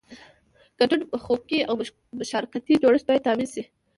ګډون مخوکی او مشارکتي جوړښت باید تامین شي.